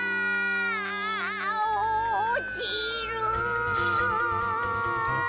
おちる！